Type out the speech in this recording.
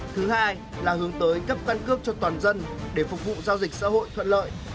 thứ hai là hướng tới cấp căn cước cho toàn dân để phục vụ giao dịch xã hội thuận lợi